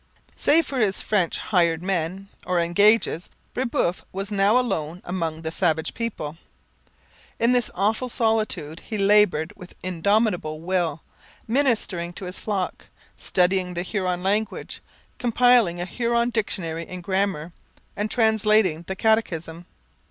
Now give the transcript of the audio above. Save for his French hired men, or engages, Brebeuf was now alone among the savage people. In this awful solitude he laboured with indomitable will, ministering to his flock, studying the Huron language, compiling a Huron dictionary and grammar, and translating the Catechism.